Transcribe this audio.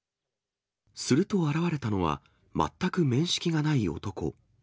すると現れたのは、全く面識がない男。